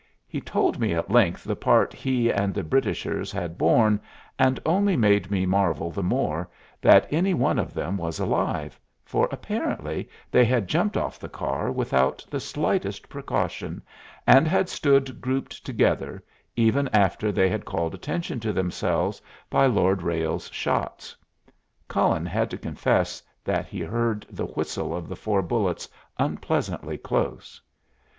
He told me at length the part he and the Britishers had borne, and only made me marvel the more that any one of them was alive, for apparently they had jumped off the car without the slightest precaution, and had stood grouped together, even after they had called attention to themselves by Lord Ralles's shots. Cullen had to confess that he heard the whistle of the four bullets unpleasantly close.